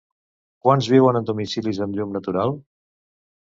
Quants viuen en domicilis amb llum natural?